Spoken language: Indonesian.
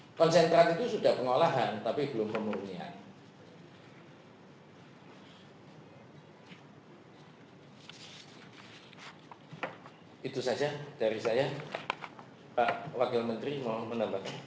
nah konsentrat itu sudah pengolahan tapi belum kemurnian